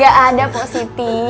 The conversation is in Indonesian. gak ada pak siti